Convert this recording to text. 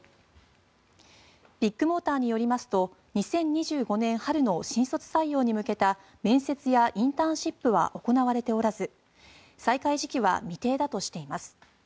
ビッグモーターによりますと２０２５年春の新卒採用に向けた面接やインターンシップは行われておらず再開時期は未定だとしています。